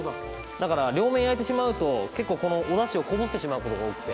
だから両面焼いてしまうと結構このおだしをこぼしてしまう事が多くて。